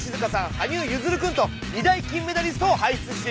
羽生結弦君と２大金メダリストを輩出しています。